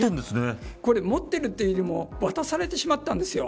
これ、持ってるというよりも渡されてしまったんです